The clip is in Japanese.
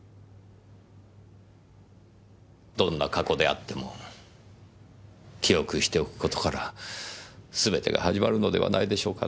どんな過去であっても記憶しておく事からすべてが始まるのではないでしょうかねぇ。